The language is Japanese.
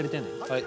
はい。